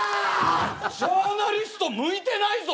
ジャーナリスト向いてないぞ。